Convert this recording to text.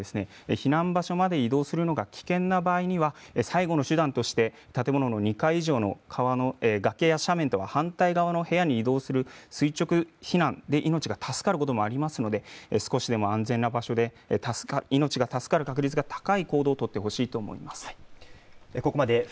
避難場所まで移動するのが危険な場合には最後の手段として建物の２階以上の川の崖や斜面反対側の部屋に移動する垂直避難で命が助かることもありますので少しでも安全な場所で命が助かる確率が高い行動を取ってほしいと思います。